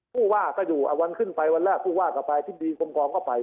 ผู้ว่าก็อยู่เอาวันขึ้นไปวันแรกผู้ว่าก็ไปอธิบดีกรมกองก็ไป